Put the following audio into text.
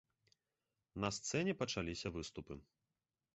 На сцэне пачаліся выступы.